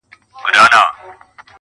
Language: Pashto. د دوزخي حُسن چيرمني جنتي دي کړم.